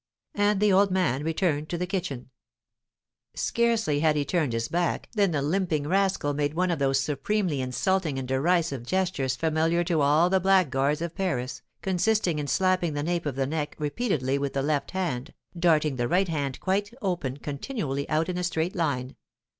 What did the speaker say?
And the old man returned to the kitchen. Scarcely had he turned his back than the limping rascal made one of those supremely insulting and derisive gestures familiar to all the blackguards of Paris, consisting in slapping the nape of the neck repeatedly with the left hand, darting the right hand quite open continually out in a straight line.